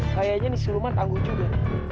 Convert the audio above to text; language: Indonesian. kayaknya nih seluman tangguh juga